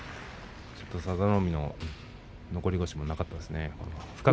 こうなると佐田の海の残り腰もなかったですね。